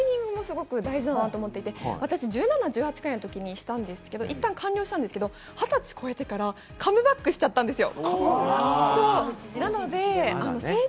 あと、脱毛するタイミングもすごく大事だなと思っていて、私１７、１８ぐらいの時にしたんですけど、いったん完了したんですけど、二十歳超えてからカムバックしちゃったんですよ。